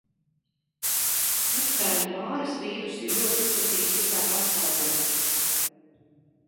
Epstaina–Bāras vīruss ir ļoti izplatīts visā pasaulē.